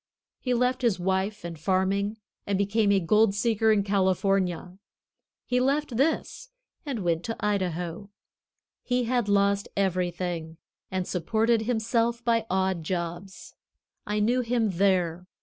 He left his wife and farming and became a gold seeker in California. He left this and went to Idaho. He had lost everything, and supported himself by odd jobs. I knew him there.